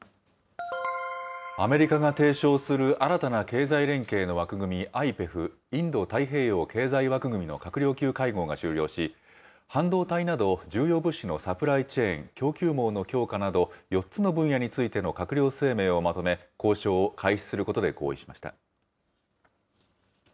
アメリカが提唱する新たな経済連携の枠組み、ＩＰＥＦ・インド太平洋経済枠組みの閣僚級会合が終了し、半導体など、重要物資のサプライチェーン・供給網の強化など、４つの分野についての閣僚声明をまとめ、交渉を開始することで合意しました。